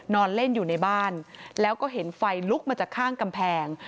นอนเล่นอยู่ในบ้านแล้วก็เห็นไฟลุกมาจากข้างกำแพง